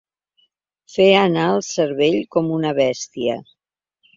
Fer anar el cervell com una bèstia.